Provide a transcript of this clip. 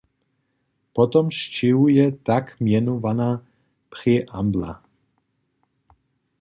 Potom sćěhuje tak mjenowana preambla.